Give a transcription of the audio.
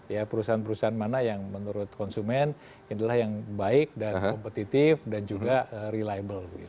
ya perusahaan perusahaan mana yang menurut konsumen adalah yang baik dan kompetitif dan juga reliable